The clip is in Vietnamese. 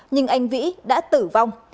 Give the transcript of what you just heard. nhưng anh vĩ đã tử vong